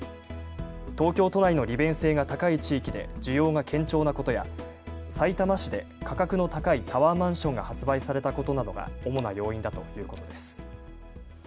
東京都内の利便性が高い地域で需要が堅調なことやさいたま市で価格の高いタワーマンションが発売されたことなどが主な要因だということです。